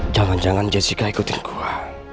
jangan jangan jessica ikutin gue